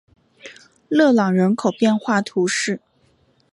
勒朗人口变化图示